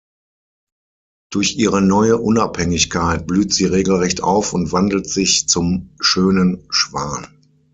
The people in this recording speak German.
Durch ihre neue Unabhängigkeit blüht sie regelrecht auf und wandelt sich zum schönen Schwan.